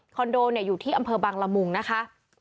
คอนโดเนี่ยอยู่ที่อำเภอบางละมุงนะคะ